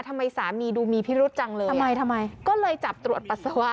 ทำไมสามีดูมีพิรุษจังเลยอ่ะก็เลยจับกับปัจสาวะ